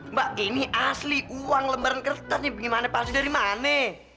mbak ini asli uang lembaran kertas bagaimana palsu dari mana